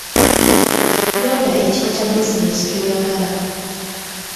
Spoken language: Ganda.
Londa ekika kya bizinensi ky'oyagala.